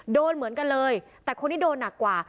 โดนเหมือนกันเลยแต่คนที่โดนหนักกว่า